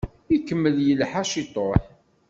Ikemmel yelḥa ciṭuḥ.